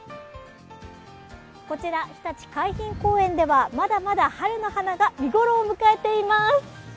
こちらひたち海浜公園ではまだまだ春の花が見ごろを迎えています。